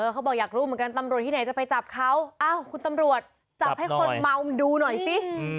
เขาบอกอยากรู้เหมือนกันตำรวจที่ไหนจะไปจับเขาอ้าวคุณตำรวจจับให้คนเมาดูหน่อยสิ